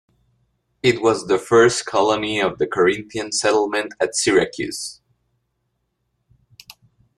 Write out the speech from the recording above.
It was the first colony of the Corinthian settlement at Syracuse.